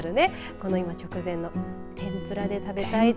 この今直前の天ぷらで食べたいと。